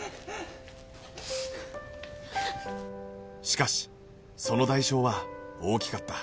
しかしその代償は大きかった